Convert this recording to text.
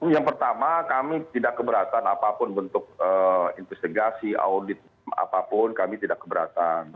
yang pertama kami tidak keberatan apapun bentuk investigasi audit apapun kami tidak keberatan